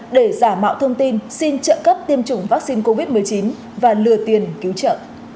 để giả mạo thông tin xin trợ cấp tiêm chủng vaccine covid một mươi chín và lừa tiền cứu trợ